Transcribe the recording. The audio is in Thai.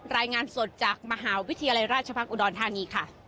รายงานสดจากมหาวิทยาลัยราชพัฒนอุดรธานีค่ะ